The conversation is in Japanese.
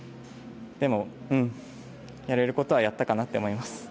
でも、やれることはやったかなって思います。